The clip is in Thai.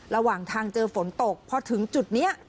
ระหว่างทางเจอฝนตกพอถึงจุดนี้